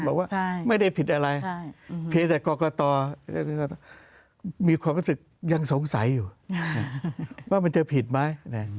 บอกว่าไม่ได้ผิดอะไรเพียงแต่กรกตมีความรู้สึกยังสงสัยอยู่ว่ามันจะผิดไหม